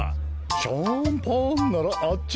シャンパンならあっち。